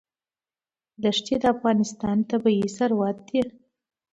دښتې د افغانستان طبعي ثروت دی.